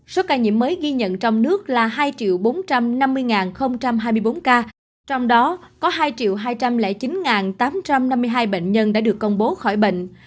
số ca nhiễm mới ghi nhận trong nước là hai bốn trăm năm mươi hai mươi bốn ca trong đó có hai hai trăm linh chín tám trăm năm mươi hai bệnh nhân đã được công bố khỏi bệnh